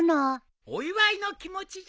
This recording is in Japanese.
お祝いの気持ちじゃよ。